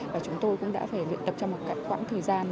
và chúng tôi cũng đã phải luyện tập trong một khoảng thời gian